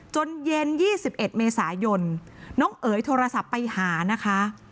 จนเย็นยี่สิบเอ็ดเมษายนน้องเอ๋ยโทรศัพท์ไปหานะคะ